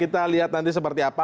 kita lihat nanti seperti apa